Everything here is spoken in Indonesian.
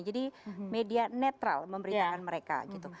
jadi media netral memberitakan mereka gitu